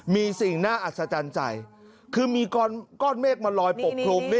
มีสิ่งหน้าอัศจรรย์ใจคือมีก็อดเมฆมาลอยปลบครบ